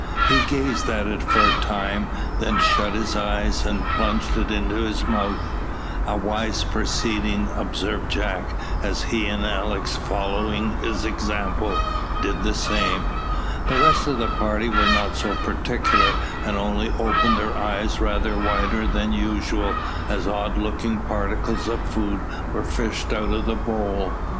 He gazed at it for a time, then shut his eyes, and plunged it into his mouth. "A wise proceeding," observed Jack, as he and Alick, following his example, did the same. The rest of the party were not so particular, and only opened their eyes rather wider than usual as odd looking particles of food were fished out of the bowl.